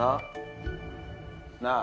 なあ。